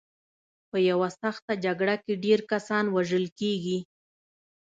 په یوه سخته جګړه کې ډېر کسان وژل کېږي.